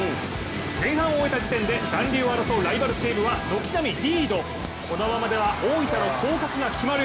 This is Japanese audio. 前半を終えた時点で残留を争うライバルチームは軒並みリード、このままでは大分の降格が決まる。